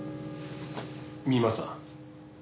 美馬さん。